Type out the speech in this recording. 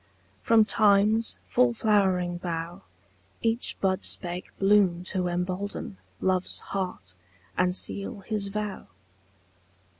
From time's full flowering bough Each bud spake bloom to embolden Love's heart, and seal his vow.